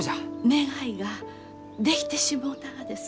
願いができてしもうたがです。